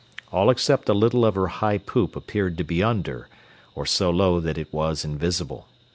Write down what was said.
All except a little of her high poop appeared to be under, or so low that it was invisible.